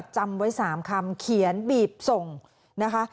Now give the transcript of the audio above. จำไว้๓คำเขียนบีบส่งนะคะ